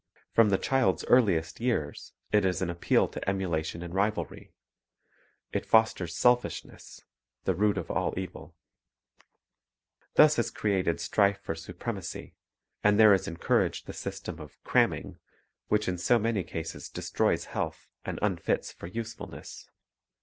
From the child's earliest years it is an appeal to emula tion and rivalry; it fosters selfishness, the root of all evil. Thus is created strife for supremacy; and there is encouraged the system of "cramming," which in so many cases destroys health and unfits for usefulness.